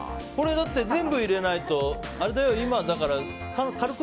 だって全部入れないと今、軽く